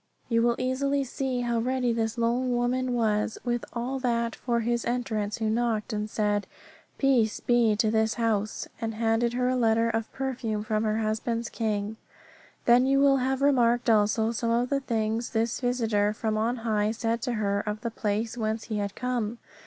You will easily see how ready this lone woman was with all that for his entrance who knocked and said, Peace be to this house, and handed her a letter of perfume from her husband's King. Then you will have remarked also some of the things this visitor from on high said to her of the place whence he had come.